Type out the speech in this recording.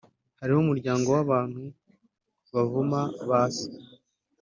“hariho umuryango w’abantu bavuma ba se